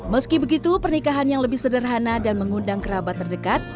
meski begitu pernikahan yang lebih sederhana dan mengundang kerabat terdekat